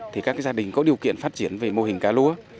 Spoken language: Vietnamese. thì các gia đình có điều kiện phát triển về mô hình cá lúa